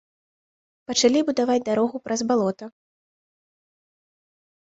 Пачалі будаваць дарогу праз балота.